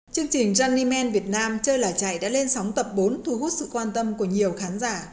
chương trình eny man việt nam chơi là chạy đã lên sóng tập bốn thu hút sự quan tâm của nhiều khán giả